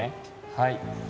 はい。